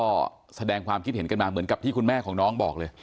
ก็แสดงความคิดเห็นกันมาเหมือนกับที่คุณแม่ของน้องบอกเลย